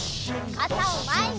かたをまえに！